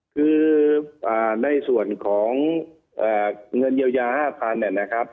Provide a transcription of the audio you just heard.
คือในส่วนของเงินเยียวยา๕๐๐เนี่ยนะครับ